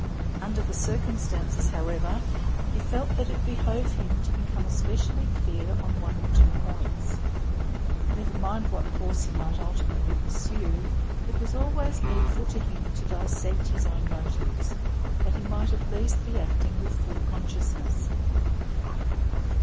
Under the circumstances, however, he felt that it behoved him to become especially clear on one or two points; never mind what course he might ultimately pursue, it was always needful to him to dissect his own motives, that he might at least be acting with full consciousness.